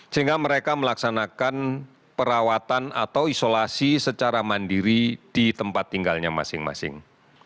sehingga mereka melaksanakan perawatan atau isolasi secara mandiri di tempat tinggalnya masing masing